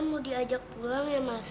mau diajak pulang ya mas